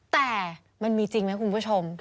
แต่มันมีจริงไหมคุณผู้ชม